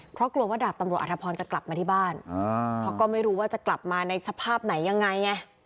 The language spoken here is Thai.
เพราะก็ไม่รู้ว่าจะกลับมาในสภาพไหนยังไง